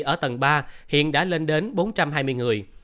ở tầng ba hiện đã lên đến bốn trăm hai mươi người